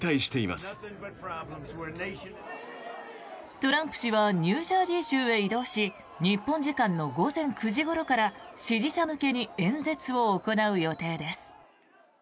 トランプ氏はニュージャージー州へ移動し日本時間の午前９時ごろから支持者向けに演説を行う予定です。